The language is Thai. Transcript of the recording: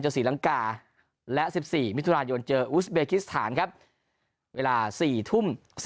ศรีลังกาและ๑๔มิถุนายนเจออุสเบคิสถานครับเวลา๔ทุ่ม